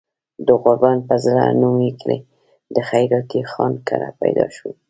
د غوربند پۀ زړه نومي کلي د خېراتي خان کره پيدا شو